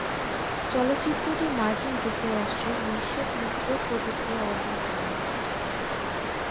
চলচ্চিত্রটি মার্কিন যুক্তরাষ্ট্রে মিশ্র প্রতিক্রিয়া অর্জন করেন।